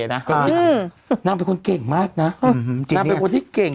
นะอืมนางเป็นคนเก่งมากน่ะอืมจริงนางเป็นคนที่เก่ง